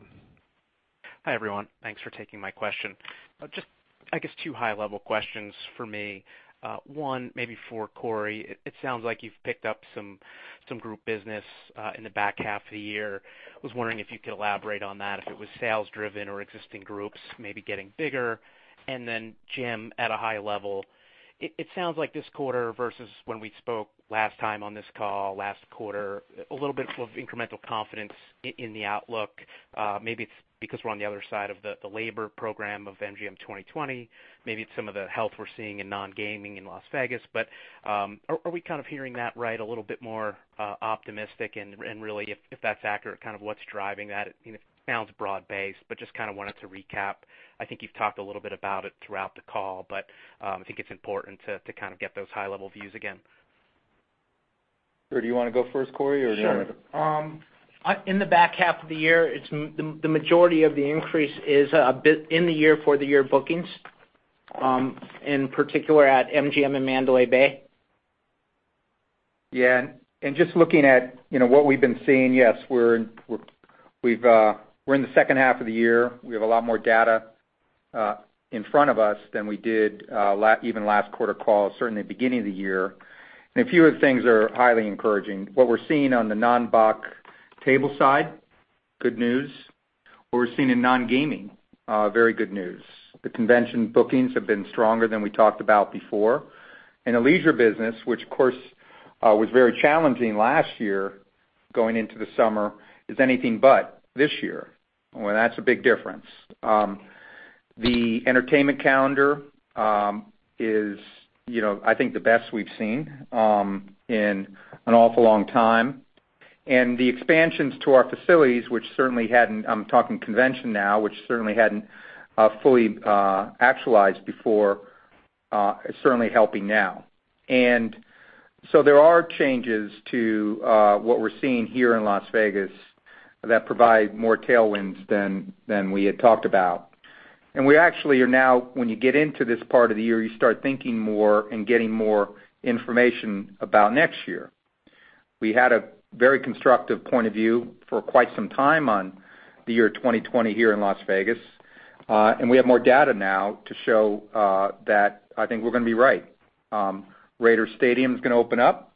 Hi, everyone. Thanks for taking my question. Just, I guess, two high-level questions for me. One, maybe for Corey. It sounds like you've picked up some group business in the back half of the year. I was wondering if you could elaborate on that, if it was sales driven or existing groups maybe getting bigger. Jim, at a high level, it sounds like this quarter versus when we spoke last time on this call, last quarter, a little bit of incremental confidence in the outlook. Maybe it's because we're on the other side of the labor program of MGM 2020. Maybe it's some of the health we're seeing in non-gaming in Las Vegas. Are we kind of hearing that right, a little bit more optimistic and really if that's accurate, kind of what's driving that? It sounds broad-based, just kind of wanted to recap. I think you've talked a little bit about it throughout the call, but I think it's important to kind of get those high-level views again. Corey, do you want to go first, or do you want me to? Sure. In the back half of the year, the majority of the increase is in the year for the year bookings, in particular at MGM and Mandalay Bay. Yeah, just looking at what we've been seeing, yes, we're in the second half of the year. We have a lot more data in front of us than we did even last quarter call, certainly at the beginning of the year. A few of the things are highly encouraging. What we're seeing on the non-BOX table side, good news. What we're seeing in non-gaming, very good news. The convention bookings have been stronger than we talked about before. The leisure business, which of course, was very challenging last year going into the summer, is anything but this year. Well, that's a big difference. The entertainment calendar is I think the best we've seen in an awful long time. The expansions to our facilities, I'm talking convention now, which certainly hadn't fully actualized before, is certainly helping now. There are changes to what we're seeing here in Las Vegas that provide more tailwinds than we had talked about. We actually are now, when you get into this part of the year, you start thinking more and getting more information about next year. We had a very constructive point of view for quite some time on the year 2020 here in Las Vegas. We have more data now to show that I think we're going to be right. Raiders Stadium's going to open up.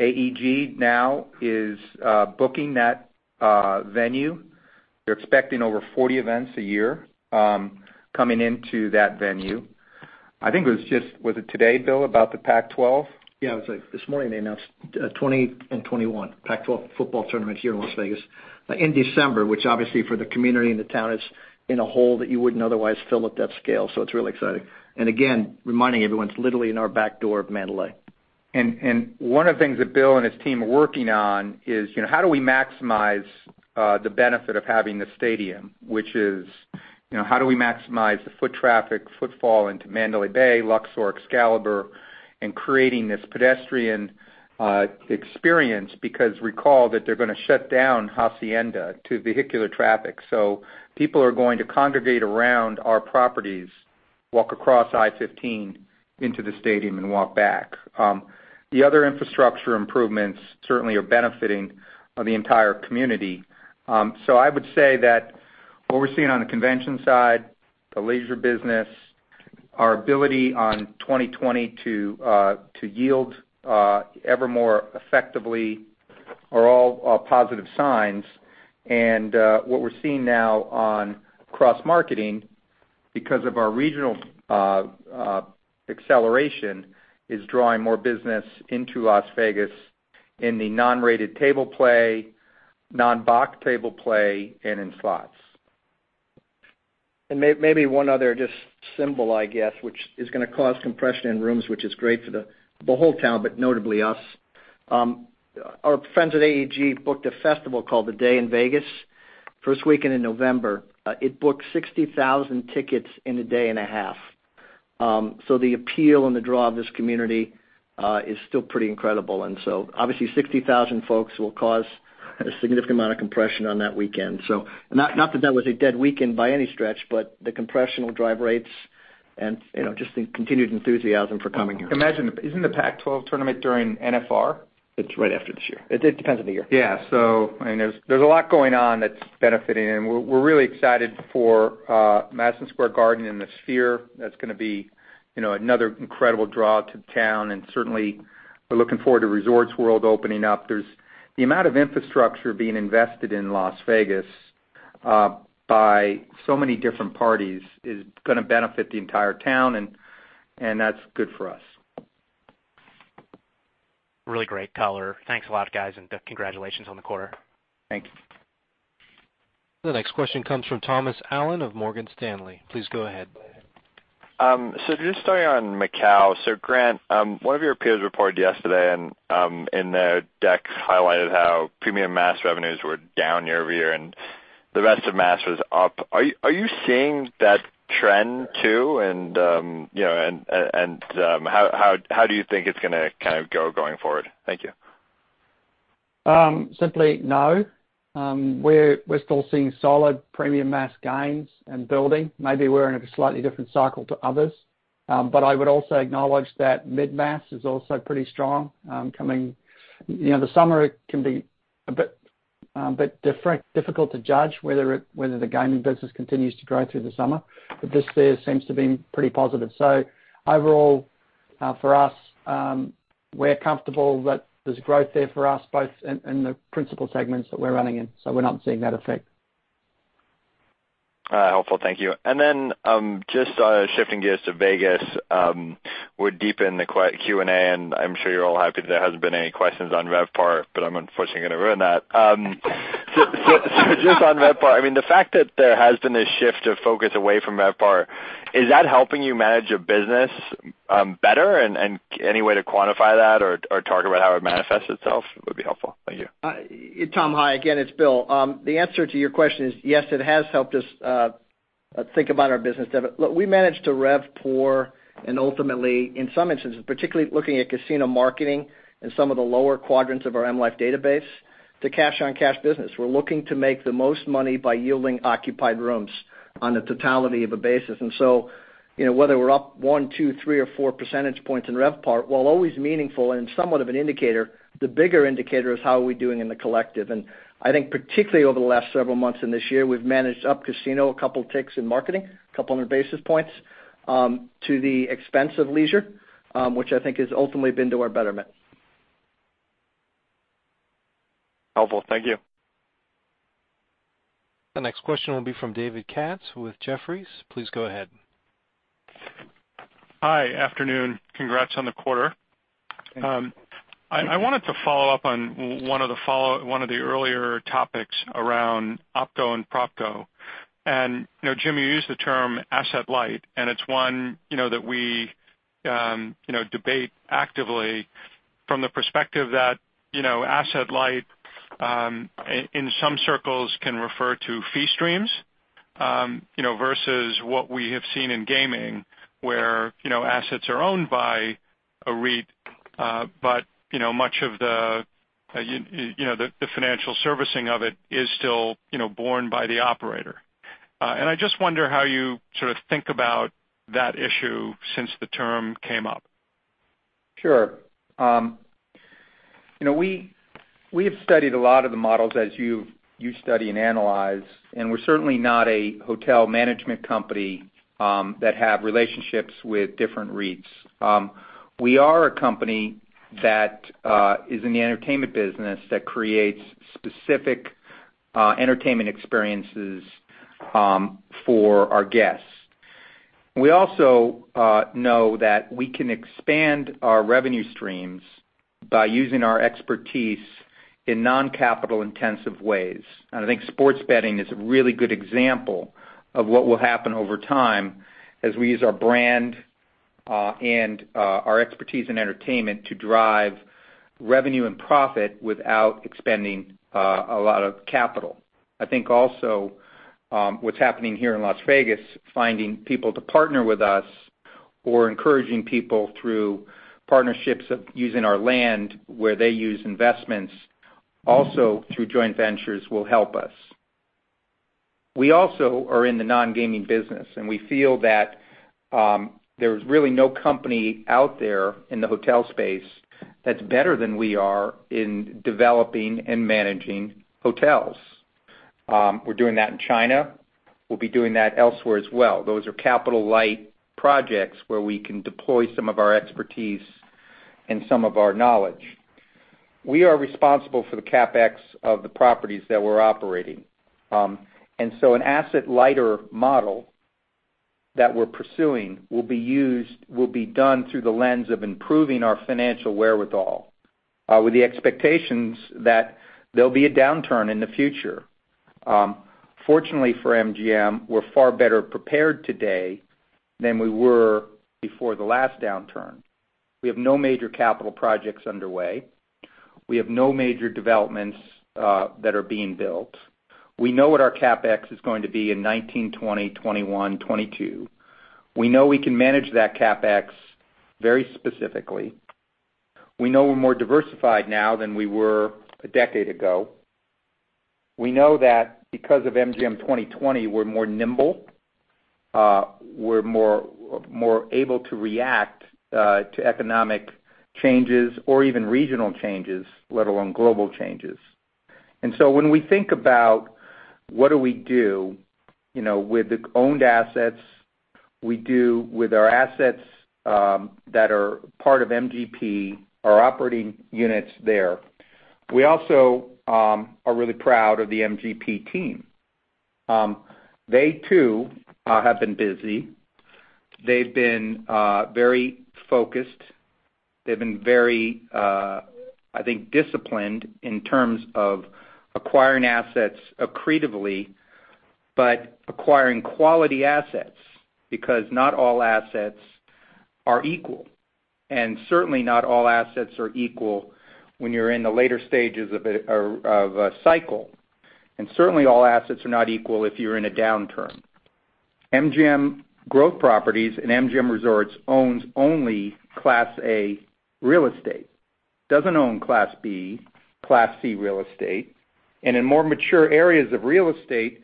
AEG now is booking that venue. They're expecting over 40 events a year coming into that venue. I think it was just-- Was it today, Bill, about the Pac-12? It was like this morning they announced 2020 and 2021 Pac-12 football tournament here in Las Vegas in December, which obviously for the community and the town is in a hole that you wouldn't otherwise fill at that scale. It's really exciting. Again, reminding everyone, it's literally in our back door of Mandalay. One of the things that Bill and his team are working on is how do we maximize the benefit of having the stadium, which is how do we maximize the foot traffic, footfall into Mandalay Bay, Luxor, Excalibur and creating this pedestrian experience because recall that they're going to shut down Hacienda to vehicular traffic. People are going to congregate around our properties, walk across I-15 into the stadium and walk back. The other infrastructure improvements certainly are benefiting the entire community. I would say that what we're seeing on the convention side, the leisure business, our ability on MGM 2020 to yield ever more effectively are all positive signs. What we're seeing now on cross-marketing, because of our regional acceleration, is drawing more business into Las Vegas in the non-rated table play, non-box table play, and in slots. Maybe one other just symbol, I guess, which is going to cause compression in rooms, which is great for the whole town, but notably us. Our friends at AEG booked a festival called Day N Vegas, first weekend in November. It booked 60,000 tickets in a day and a half. The appeal and the draw of this community is still pretty incredible. Obviously 60,000 folks will cause a significant amount of compression on that weekend. Not that that was a dead weekend by any stretch, but the compression will drive rates and just the continued enthusiasm for coming here. Imagine, isn't the Pac-12 tournament during NFR? It's right after this year. It depends on the year. There's a lot going on that's benefiting, and we're really excited for Madison Square Garden and the Sphere. That's going to be another incredible draw to the town, and certainly we're looking forward to Resorts World opening up. The amount of infrastructure being invested in Las Vegas by so many different parties is going to benefit the entire town, and that's good for us. Really great color. Thanks a lot, guys, and congratulations on the quarter. Thank you. The next question comes from Thomas Allen of Morgan Stanley. Please go ahead. Just starting on Macau. Grant, one of your peers reported yesterday and their deck highlighted how premium mass revenues were down year-over-year, and the rest of mass was up. Are you seeing that trend too? How do you think it's going to kind of go going forward? Thank you. Simply, no. We're still seeing solid premium mass gains and building. Maybe we're in a slightly different cycle to others. I would also acknowledge that mid-mass is also pretty strong. The summer can be a bit difficult to judge whether the gaming business continues to grow through the summer. This year seems to be pretty positive. Overall, for us, we're comfortable that there's growth there for us both in the principal segments that we're running in. We're not seeing that effect. Helpful. Thank you. Just shifting gears to Vegas. We're deep in the Q&A, and I'm sure you're all happy that there hasn't been any questions on RevPAR, but I'm unfortunately going to ruin that. Just on RevPAR, the fact that there has been a shift of focus away from RevPAR, is that helping you manage a business better? Any way to quantify that or talk about how it manifests itself would be helpful. Thank you. Tom, hi again, it's Bill. The answer to your question is yes, it has helped us think about our business. Look, we managed to RevPOR and ultimately, in some instances, particularly looking at casino marketing and some of the lower quadrants of our M life database to cash-on-cash business. We're looking to make the most money by yielding occupied rooms on a totality of a basis. Whether we're up one, two, three or four percentage points in RevPAR, while always meaningful and somewhat of an indicator, the bigger indicator is how are we doing in the collective. I think particularly over the last several months and this year, we've managed up casino a couple ticks in marketing, a couple of hundred basis points, to the expense of leisure, which I think has ultimately been to our betterment. Helpful. Thank you. The next question will be from David Katz with Jefferies. Please go ahead. Hi. Afternoon. Congrats on the quarter. I wanted to follow up on one of the earlier topics around OpCo and PropCo. Jim, you used the term asset light, and it's one that we debate actively from the perspective that asset light, in some circles, can refer to fee streams versus what we have seen in gaming where assets are owned by a REIT, but much of the financial servicing of it is still borne by the operator. I just wonder how you sort of think about that issue since the term came up Sure. We have studied a lot of the models as you study and analyze, and we're certainly not a hotel management company that have relationships with different REITs. We are a company that is in the entertainment business that creates specific entertainment experiences for our guests. We also know that we can expand our revenue streams by using our expertise in non-capital intensive ways. I think sports betting is a really good example of what will happen over time as we use our brand and our expertise in entertainment to drive revenue and profit without expending a lot of capital. I think also what's happening here in Las Vegas, finding people to partner with us or encouraging people through partnerships of using our land where they use investments also through joint ventures will help us. We also are in the non-gaming business, and we feel that there's really no company out there in the hotel space that's better than we are in developing and managing hotels. We're doing that in China. We'll be doing that elsewhere as well. Those are capital light projects where we can deploy some of our expertise and some of our knowledge. We are responsible for the CapEx of the properties that we're operating. An asset lighter model that we're pursuing will be done through the lens of improving our financial wherewithal with the expectations that there'll be a downturn in the future. Fortunately for MGM, we're far better prepared today than we were before the last downturn. We have no major capital projects underway. We have no major developments that are being built. We know what our CapEx is going to be in 2019, 2020, 2021, 2022. We know we can manage that CapEx very specifically. We know we're more diversified now than we were a decade ago. We know that because of MGM 2020, we're more nimble. We're more able to react to economic changes or even regional changes, let alone global changes. When we think about what do we do with the owned assets, we do with our assets that are part of MGP, our operating units there. We also are really proud of the MGP team. They too have been busy. They've been very focused. They've been very, I think, disciplined in terms of acquiring assets accretively, but acquiring quality assets because not all assets are equal, and certainly not all assets are equal when you're in the later stages of a cycle. Certainly all assets are not equal if you're in a downturn. MGM Growth Properties and MGM Resorts owns only Class A real estate, doesn't own Class B, Class C real estate. In more mature areas of real estate,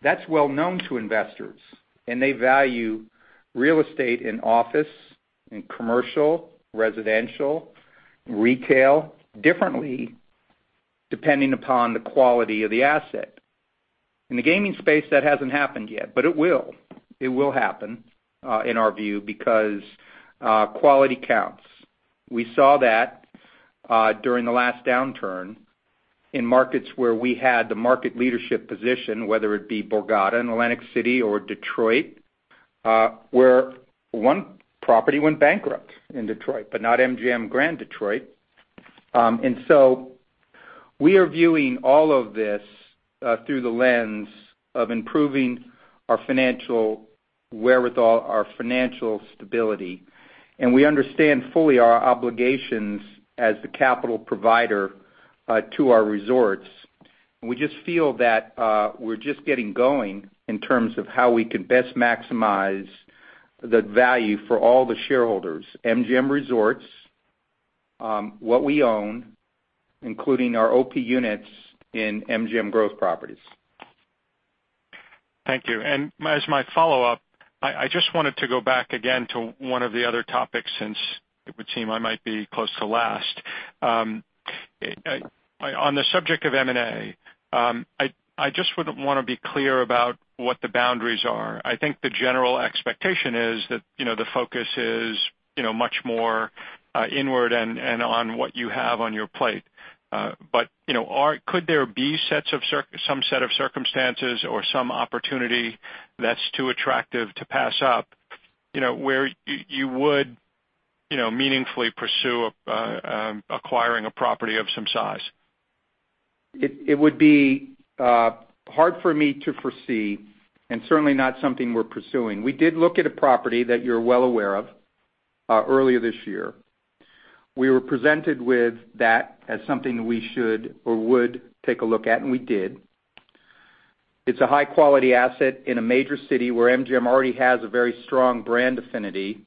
that's well known to investors, and they value real estate in office, in commercial, residential, retail differently depending upon the quality of the asset. In the gaming space, that hasn't happened yet, but it will. It will happen in our view because quality counts. We saw that during the last downturn in markets where we had the market leadership position, whether it be Borgata in Atlantic City or Detroit where one property went bankrupt in Detroit, but not MGM Grand Detroit. So we are viewing all of this through the lens of improving our financial wherewithal, our financial stability, and we understand fully our obligations as the capital provider to our resorts. We just feel that we're just getting going in terms of how we can best maximize the value for all the shareholders, MGM Resorts, what we own, including our OP units in MGM Growth Properties. Thank you. As my follow-up, I just wanted to go back again to one of the other topics, since it would seem I might be close to last. On the subject of M&A, I just would want to be clear about what the boundaries are. I think the general expectation is that the focus is much more inward and on what you have on your plate. Could there be some set of circumstances or some opportunity that's too attractive to pass up where you would meaningfully pursue acquiring a property of some size? It would be hard for me to foresee, and certainly not something we're pursuing. We did look at a property that you're well aware of earlier this year. We were presented with that as something that we should or would take a look at, and we did. It's a high-quality asset in a major city where MGM already has a very strong brand affinity,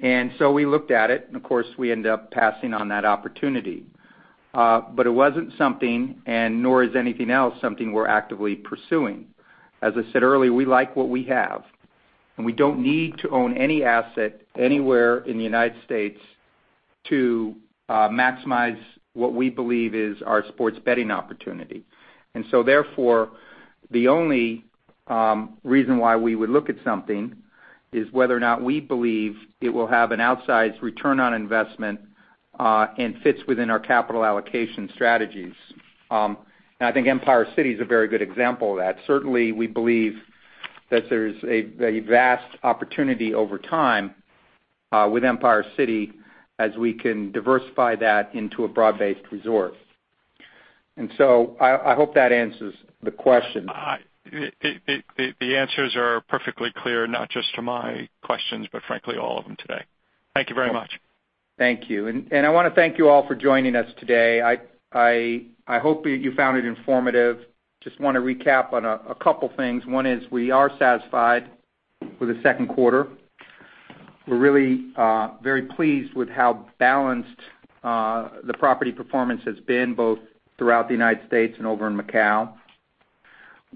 and of course, we ended up passing on that opportunity. It wasn't something, and nor is anything else, something we're actively pursuing. As I said earlier, we like what we have, and we don't need to own any asset anywhere in the United States to maximize what we believe is our sports betting opportunity. Therefore, the only reason why we would look at something is whether or not we believe it will have an outsized return on investment and fits within our capital allocation strategies. I think Empire City is a very good example of that. Certainly, we believe that there's a vast opportunity over time with Empire City as we can diversify that into a broad-based resort. I hope that answers the question. The answers are perfectly clear, not just to my questions, but frankly, all of them today. Thank you very much. Thank you. I want to thank you all for joining us today. I hope you found it informative. Just want to recap on a couple things. One is we are satisfied with the second quarter. We're really very pleased with how balanced the property performance has been, both throughout the United States and over in Macau.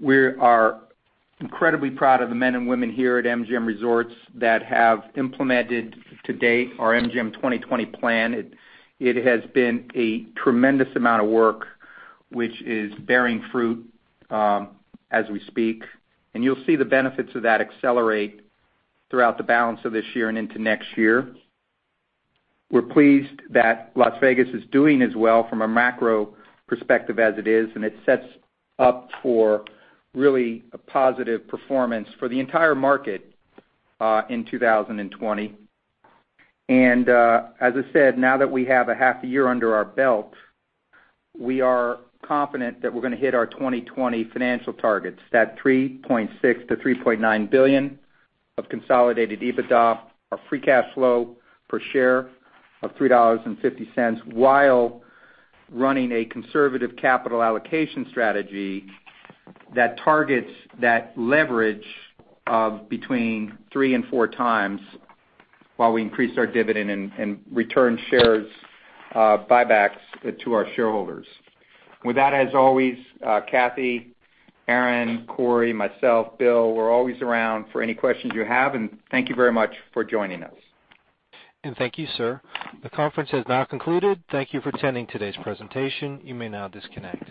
We are incredibly proud of the men and women here at MGM Resorts that have implemented to date our MGM 2020 plan. It has been a tremendous amount of work, which is bearing fruit as we speak. You'll see the benefits of that accelerate throughout the balance of this year and into next year. We're pleased that Las Vegas is doing as well from a macro perspective as it is, and it sets up for really a positive performance for the entire market in 2020. As I said, now that we have a half a year under our belt, we are confident that we're going to hit our 2020 financial targets, that $3.6 billion-$3.9 billion of consolidated EBITDA, our free cash flow per share of $3.50 while running a conservative capital allocation strategy that targets that leverage of between three and four times while we increase our dividend and return shares buybacks to our shareholders. With that, as always, Cathy, Corey, myself, Bill, we're always around for any questions you have, and thank you very much for joining us. Thank you, sir. The conference has now concluded. Thank you for attending today's presentation. You may now disconnect.